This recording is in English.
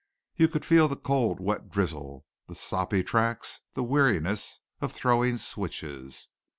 You could feel the cold, wet drizzle, the soppy tracks, the weariness of "throwing switches."